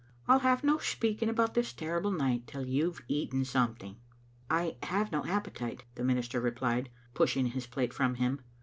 "I'll have no speaking about this terrible night till you've eaten something. " "I have no appetite," the minister replied, pushing his plate from him.